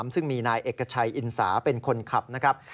ซึ่งมีนายเอกชัยอินสาเป็นคนขับนะครับ